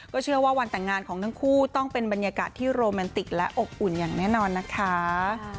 เชื่อว่าวันแต่งงานของทั้งคู่ต้องเป็นบรรยากาศที่โรแมนติกและอบอุ่นอย่างแน่นอนนะคะ